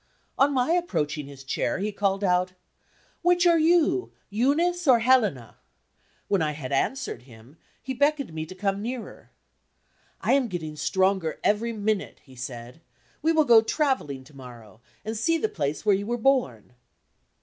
On my approaching his chair, he called out: "Which are you? Eunice or Helena?" When I had answered him, he beckoned me to come nearer. "I am getting stronger every minute," he said. "We will go traveling to morrow, and see the place where you were born."